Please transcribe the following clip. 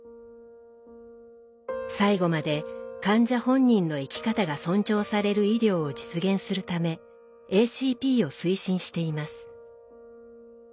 最後まで患者本人の生き方が尊重される医療を実現するためＡＣＰを推進しています。